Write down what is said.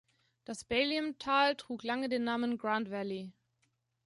Das Baliem-Tal trug lange den Namen "Grand Valley".